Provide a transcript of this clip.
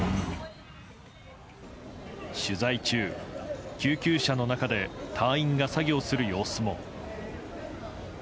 取材中、救急車の中で隊員が作業する様子も。